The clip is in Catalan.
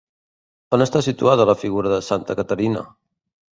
On està situada la figura de Santa Caterina?